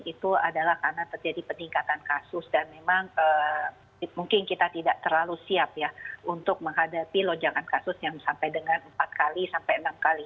itu adalah karena terjadi peningkatan kasus dan memang mungkin kita tidak terlalu siap ya untuk menghadapi lonjakan kasus yang sampai dengan empat kali sampai enam kali